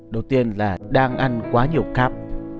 đầu tiên là đang ăn quá nhiều carb